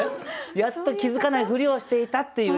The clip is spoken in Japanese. やっと気付かないふりをしていたっていうね